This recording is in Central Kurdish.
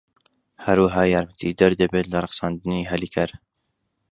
هەروەها یارمەتیدەر دەبێت لە ڕەخساندنی هەلی کار.